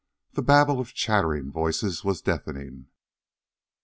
The babel of chattering voices was deafening.